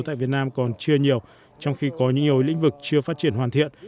tại việt nam còn chưa nhiều trong khi có những yếu lĩnh vực chưa phát triển hoàn thiện